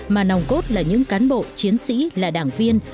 mà nòng cốt là những cán bộ chiến sĩ là đảng viên